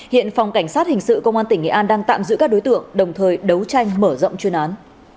hiện phòng cảnh sát hình sự công an tỉnh nghệ an đang tạm giữ các đối tượng đồng thời đấu tranh mở rộng chuyên án